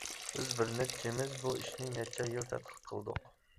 بىز بىرنەچچىمىز بۇ ئىشنى نەچچە يىل تەتقىق قىلدۇق.